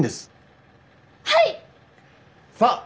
はい。